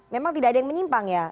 memang tidak ada yang menyimpang ya